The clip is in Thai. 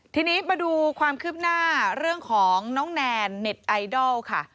ทีนี้มาดูความคืบหน้าเรื่องของน้องแนนเน็ตไอดอลค่ะ